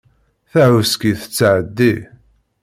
Tahuski tettɛeddi.